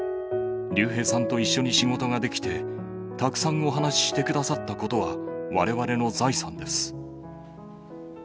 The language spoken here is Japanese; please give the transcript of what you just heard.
竜兵さんと一緒に仕事ができて、たくさんお話してくださったことはわれわれの財産です。